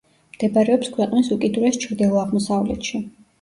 მდებარეობს ქვეყნის უკიდურეს ჩრდილო-აღმოსავლეთში.